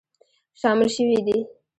شامل شوي دي